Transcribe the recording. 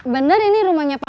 begitu dong dari dulu ya